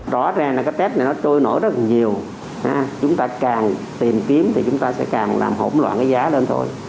rõ ràng là cái tết này nó trôi nổi rất là nhiều chúng ta càng tìm kiếm thì chúng ta sẽ càng làm hỗn loạn cái giá lên thôi